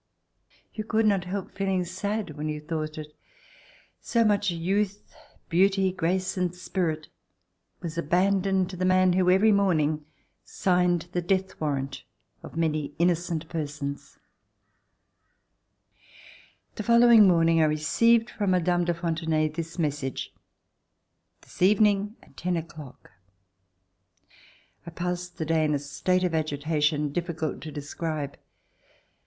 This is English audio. You could not help feeling sad when you thought that so much youth, beauty, grace and spirit was abandoned to the man who, every morning, signed the death warrant of many innocent persons. C156] LIFE AT BORDEAUX The following morning 1 received from Mme. de Fontenay this message: "This evening at ten o'clock." I passed the day in a state of agitation difficult to describe.